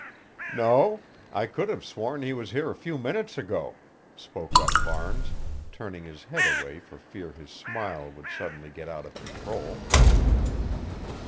"No; I could have sworn he was here a few minutes ago," spoke up Barnes, turning his head away for fear his smile would suddenly get out of control.